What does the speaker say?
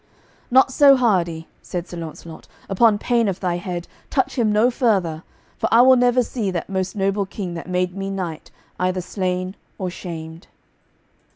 "Not so hardy," said Sir Launcelot, "upon pain of thy head, touch him no further, for I will never see that most noble king, that made me knight, either slain or shamed."